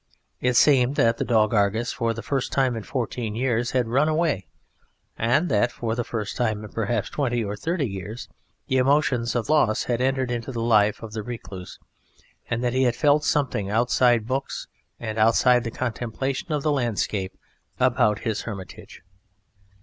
It seemed that the dog Argus, for the first time in fourteen years, had run away, and that for the first time in perhaps twenty or thirty years the emotion of loss had entered into the life of the Recluse, and that he had felt something outside books and outside the contemplation of the landscape about his hermitage.